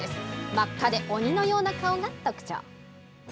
真っ赤で鬼のような顔が特徴。